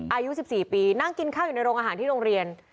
อายุ๑๔ปีนั่งกินข้าวอยู่ในโรงอาหารที่โรงเรียน